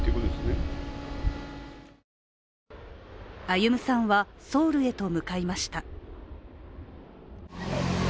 歩さんはソウルへと向かいました。